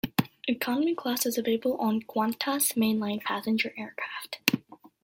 Economy class is available on all Qantas mainline passenger aircraft.